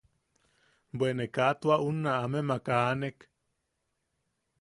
Bwe ne kaa tua unna amemak aanek.